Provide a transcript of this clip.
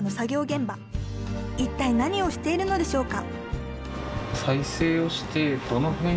一体何をしているのでしょうか？